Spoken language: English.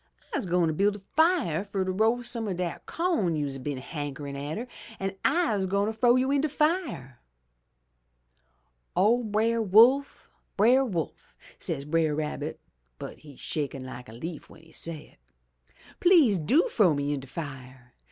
Tse gwine build a fire fer ter roast some o' dat co'n you'se a hankerin' atter, an' I'se gwine frow you in de fire!' "'O Brer Wolf! Brer Wolf!' says Brer Rabbit (but he's shakin' like a leaf w'en he say it). Tlease do frow me in de fire.